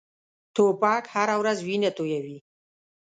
توپک هره ورځ وینه تویوي.